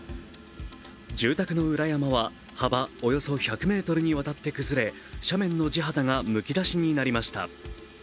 住宅の裏山は幅およそ１００ｍにわたって崩れ、斜面の地肌がむき出しになりました。